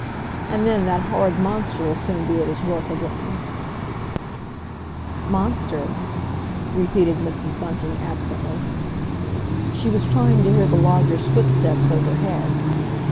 And then, that horrid monster 'ull soon be at his work again—" "Monster?" repeated Mrs. Bunting absently. She was trying to hear the lodger's footsteps overhead.